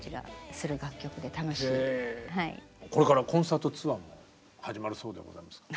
これからコンサートツアーも始まるそうでございますけど。